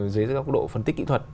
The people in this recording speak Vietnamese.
dưới góc độ phân tích kỹ thuật